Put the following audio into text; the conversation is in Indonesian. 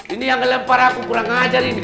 ini yang ngelempar aku kurang ngajarin